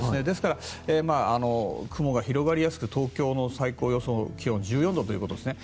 ですから雲が広がりやすく東京の最高予想気温は１４度ということです。